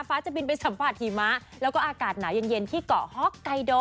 จะบินไปสัมผัสหิมะแล้วก็อากาศหนาวเย็นที่เกาะฮอกไกโด